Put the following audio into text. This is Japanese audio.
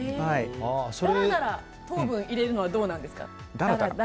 だらだら糖分入れるのはどうなんですか？